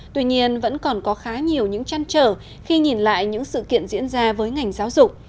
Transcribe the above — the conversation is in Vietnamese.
tuy nhiên vẫn còn có khá nhiều những chăn trở khi nhìn lại những sự kiện diễn ra với ngành giáo dục